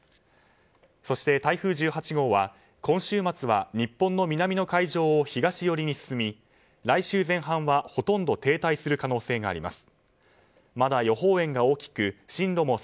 そして、台風１８号は今週末は日本の南の海上を東寄りに進み、来週前半はほとんど停滞する可能性があります。